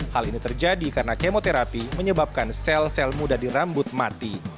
hal ini terjadi karena kemoterapi menyebabkan sel sel muda di rambut mati